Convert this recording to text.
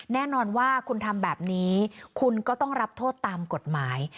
แน่นอนว่าคุณทำแบบนี้คุณก็ต้องรับโทษตามกฎหมาย